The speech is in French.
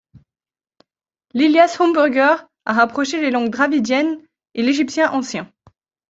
Lilias Homburger a rapproché les langues dravidiennes et l’égyptien ancien.